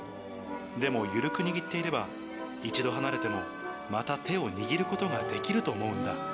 でも、緩く握っていれば、一度離れても、また手を握ることができると思うんだ。